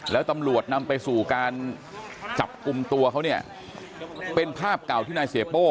แล้วตำรวจนำไปสู่การจับกลุ่มตัวเขาเนี่ยเป็นภาพเก่าที่นายเสียโป้